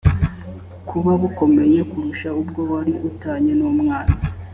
kuba bukomeye kurusha ubwo wari u tanye n umwana